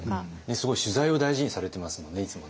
すごい取材を大事にされてますもんねいつもね。